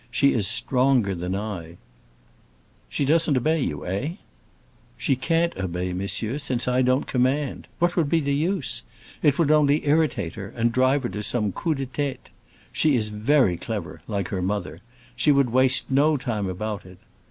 She is stronger than I." "She doesn't obey you, eh?" "She can't obey, monsieur, since I don't command. What would be the use? It would only irritate her and drive her to some coup de tête. She is very clever, like her mother; she would waste no time about it.